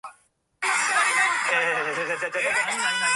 青森県つがる市